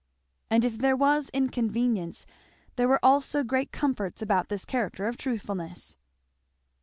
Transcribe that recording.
And if there was inconvenience there were also great comforts about this character of truthfulness.